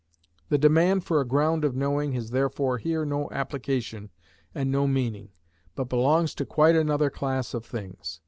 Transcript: The demand for a ground of knowing has therefore here no application and no meaning, but belongs to quite another class of things.